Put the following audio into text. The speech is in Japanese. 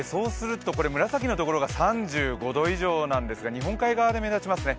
紫のところが３５度以上なんですが、日本海側で目立ちますね。